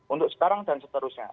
untuk sekarang dan seterusnya